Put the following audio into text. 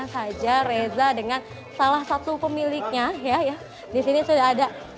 apa aja reza dengan salah satu pemiliknya ya ya disini sudah ada